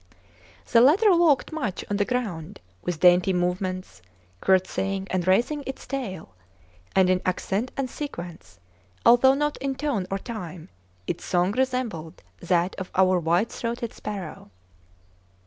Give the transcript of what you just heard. The latter walked much on the ground, with dainty movements, curtseying and raising its tail; and in accent and sequence, although not in tone or time, its song resembled that of our white throated sparrow.